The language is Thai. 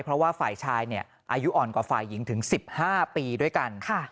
เพราะว่าฝ่ายชายอายุอ่อนกว่าฝ่ายหญิงถึง๑๕ปีด้วยกัน